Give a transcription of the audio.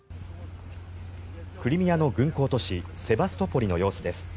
クリミアの軍港都市セバストポリの様子です。